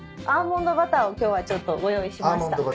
アーモンドバターを今日はちょっとご用意しました。